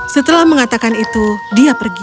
setelah mengatakan itu dia pergi